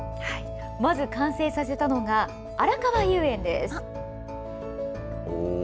まず完成させたのが、あらかわ遊園です。